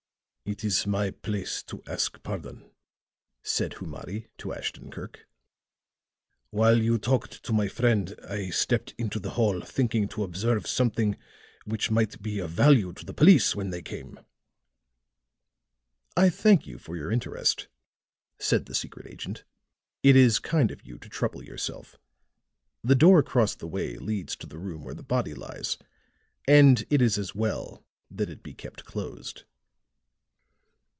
"It is my place to ask pardon," said Humadi to Ashton Kirk. "While you talked to my friend I stepped into the hall thinking to observe something which might be of value to the police when they came." "I thank you for your interest," said the secret agent. "It is kind of you to trouble yourself. The door across the way leads to the room where the body lies, and it is as well that it be kept closed."